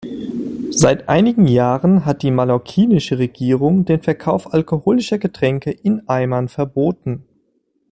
Seit einigen Jahren hat die mallorquinische Regierung den Verkauf alkoholischer Getränke in Eimern verboten.